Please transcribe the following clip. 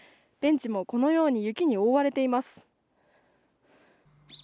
ベンチもこのように雪に覆われています。